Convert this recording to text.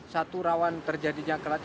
satu rawan terjadinya kelat